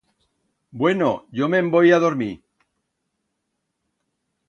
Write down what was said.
Bueno, yo me'n voi a dormir.